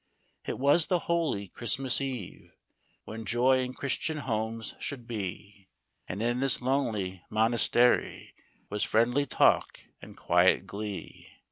It was the holy Christmas Eve, When joy in Christian homes should be And in this lonely monast'ry Was friendly talk and quiet glee.